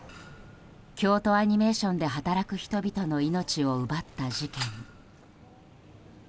京都アニメーションで働く人々の命を奪った事件。